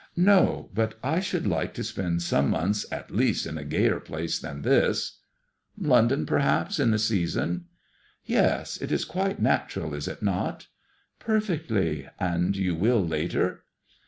'' No ; but I should like to spend some months at least in a gayer place than this.*' London, perhaps, in the season ?"^' Yes. It is quite natural, is it not ?"" Perfectly. And you will later